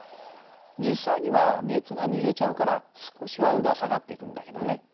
実際には熱が逃げちゃうから少しは温度は下がっていくんだけどね。